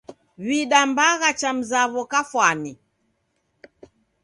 W'idambagha cha mzaw'o kafwani.